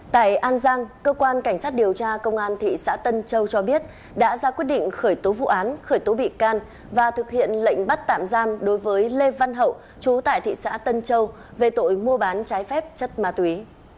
tại an giang cơ quan cảnh sát điều tra công an thị xã tân châu cho biết đã ra quyết định khởi tố vụ án khởi tố bị can và thực hiện lệnh bắt tạm giam đối với lê văn hậu chú tại thị xã tân châu về tội mua bán trái phép chất ma túy